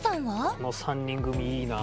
この３人組いいなあ。